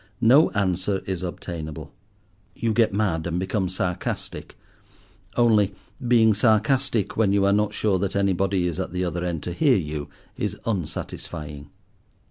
No answer is obtainable. You get mad, and become sarcastic; only being sarcastic when you are not sure that anybody is at the other end to hear you is unsatisfying.